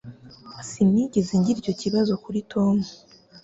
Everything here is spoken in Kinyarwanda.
Sinigeze ngira icyo kibazo kuri Tom